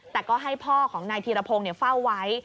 แต่ก็ให้พ่อของนายธีรพงศ์เฝ้าไว้